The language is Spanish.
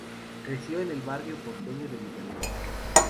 Creció en el barrio porteño de Villa Luro.